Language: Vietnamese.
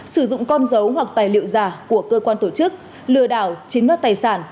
sử dụng con dấu hoặc tài liệu giả của cơ quan tổ chức lừa đảo chính nốt tài sản